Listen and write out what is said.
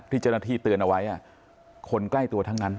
ที่เจ้าหน้าที่เตือนเอาไว้คนใกล้ตัวทั้งนั้น